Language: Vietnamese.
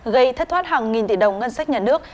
gây thất thoát hàng nghìn tỷ đồng ngân sách nhà nước